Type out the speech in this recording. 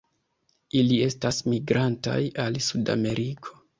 Ili estas migrantaj al Sudameriko.